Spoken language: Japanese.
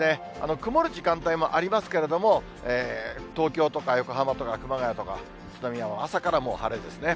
曇る時間帯もありますけれども、東京とか横浜とか、熊谷とか、宇都宮は朝からもう晴れですね。